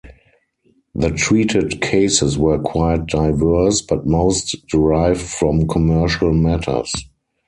The treated cases were quite diverse, but most derived from commercial matters.